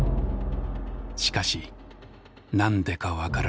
しかし何でかわからない。